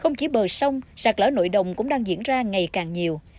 không chỉ bờ sông sạc lỡ nội đồng cũng đang diễn ra ngày càng nhiều